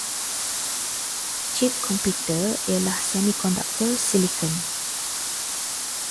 Cip komputer ialah semikonduktor silicon.